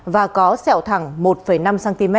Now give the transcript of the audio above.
và có sẹo thẳng một năm cm